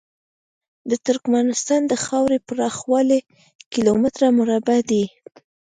د ترکمنستان د خاورې پراخوالی کیلو متره مربع دی.